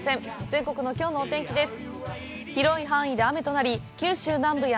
全国のきょうのお天気です。